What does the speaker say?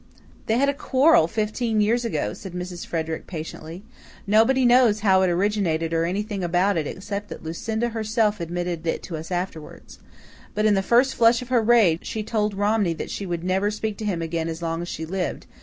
"They had a quarrel fifteen years ago," said Mrs. Frederick patiently. "Nobody knows how it originated or anything about it except that Lucinda herself admitted it to us afterwards. But, in the first flush of her rage, she told Romney that she would never speak to him again as long as she lived.